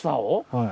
はい。